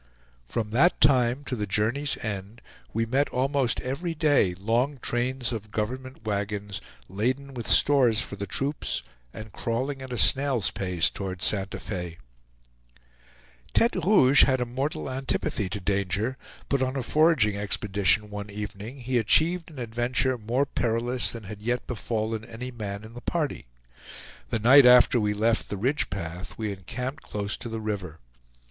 From that time to the journey's end, we met almost every day long trains of government wagons, laden with stores for the troops and crawling at a snail's pace toward Santa Fe. Tete Rouge had a mortal antipathy to danger, but on a foraging expedition one evening, he achieved an adventure more perilous than had yet befallen any man in the party. The night after we left the Ridge path we encamped close to the river.